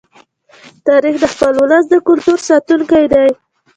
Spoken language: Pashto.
تاریخ د خپل ولس د کلتور ساتونکی دی.